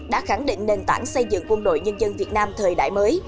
đã khẳng định nền tảng xây dựng quân đội nhân dân việt nam thời đại mới